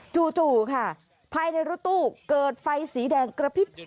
จู่ค่ะภายในรถตู้เกิดไฟสีแดงกระพริบ